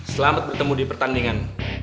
selamat bertemu di pertandingan